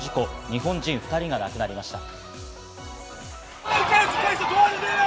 日本人２人が亡くなりました。